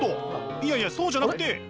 いやいやそうじゃなくて。